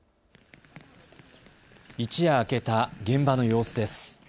一夜明けた現場の様子です。